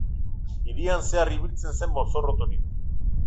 Hirian zehar ibiltzen zen mozorroturik.